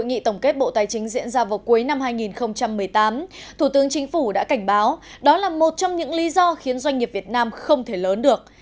trong khi tổng kết bộ tài chính diễn ra vào cuối năm hai nghìn một mươi tám thủ tướng chính phủ đã cảnh báo đó là một trong những lý do khiến doanh nghiệp việt nam không thể lớn được